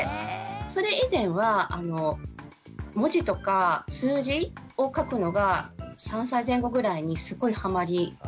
それ以前は文字とか数字を書くのが３歳前後ぐらいにすごいハマりまして。